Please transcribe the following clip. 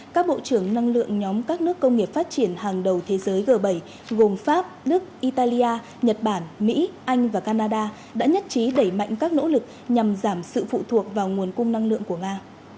các bộ trưởng năng lượng nhóm các nước công nghiệp phát triển hàng đầu thế giới g bảy gồm pháp đức italia nhật bản mỹ anh và canada đã nhất trí đẩy mạnh các nỗ lực nhằm giảm sự phụ thuộc vào nguồn cung năng lượng của nga